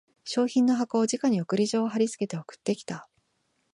商品の箱にじかに送り状を張りつけて送ってきた